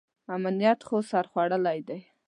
امنیت خو سر خوړلی دی.